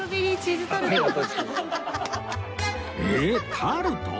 えっタルト？